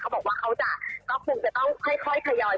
บอกว่าเขาจะคงจะต้องค่อยทยอย